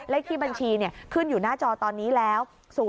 เลขที่บัญชีขึ้นอยู่หน้าจอตอนนี้แล้ว